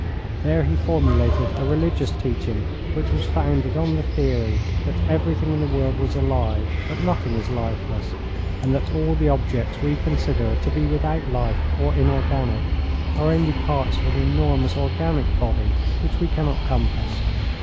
There he formulated a religious teaching which was founded on the theory that everything in the world was alive, that nothing is lifeless, and that all the objects we consider to be without life or inorganic are only parts of an enormous organic body which we cannot compass.